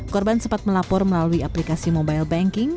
korban sempat melapor melalui aplikasi mobile banking